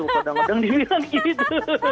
kadang kadang dibilang gitu